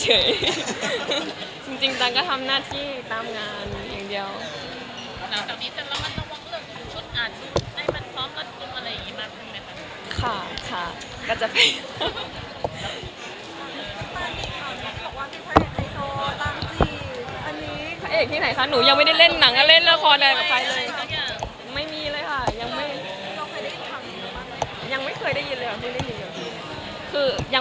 หูถ้าถ่ายถึงขนาดนั้นน่าจะตั้งใจมากเลยค่ะ